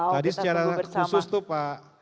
tadi secara khusus itu pak